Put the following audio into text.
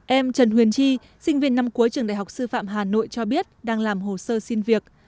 em trần huyền chi sinh viên năm cuối trường đại học sư phạm hà nội cho biết đang làm hồ sơ xin việc